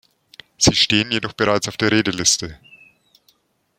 Sie stehen jedoch bereits auf der Redeliste.